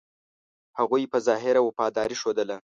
هغوی په ظاهره وفاداري ښودله.